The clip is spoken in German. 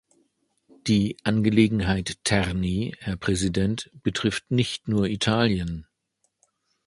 Die Angelegenheit Terni, Herr Präsident, betrifft nicht nur Italien.